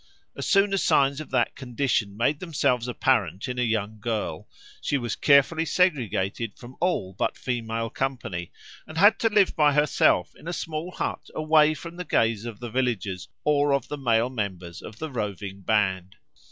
As soon as signs of that condition made themselves apparent in a young girl she was carefully segregated from all but female company, and had to live by herself in a small hut away from the gaze of the villagers or of the male members of the roving band.